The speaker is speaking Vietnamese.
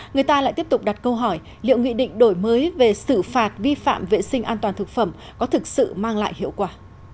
người ta lại tiếp tục đặt câu hỏi liệu nghị định đổi mới về xử phạt vi phạm vệ sinh an toàn thực phẩm có thực sự mang lại hiệu quả